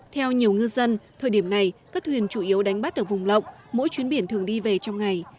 theo nhiều ngư dân thời điểm này các thuyền chủ yếu đánh bắt ở vùng lộng mỗi chuyến biển thường đi về trong ngày